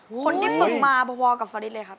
คนที่สุดมาประวัติกับฝริตเลยครับ